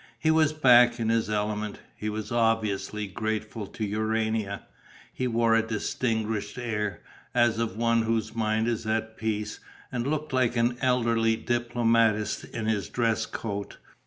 He was back in his element; he was obviously grateful to Urania; he wore a distinguished air, as of one whose mind is at peace, and looked like an elderly diplomatist in his dress coat.